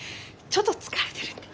ちょっと疲れてるんで。